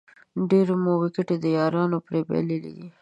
ډېرې مو وېکټې د یارانو پرې بایللې دي